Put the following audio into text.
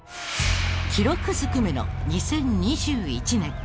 記録ずくめの２０２１年